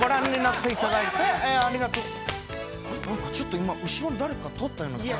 あれ何かちょっと今後ろに誰か通ったような気が。